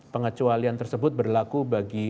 pengecualian tersebut berlaku bagi